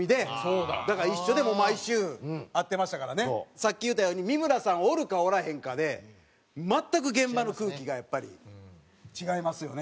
さっき言うたように三村さんおるかおらへんかで全く現場の空気がやっぱり違いますよね